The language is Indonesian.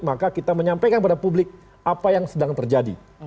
maka kita menyampaikan pada publik apa yang sedang terjadi